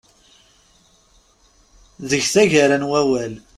Deg taggara n wawal.